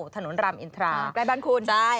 ถนนรามอินทราใกล้บ้านคุณ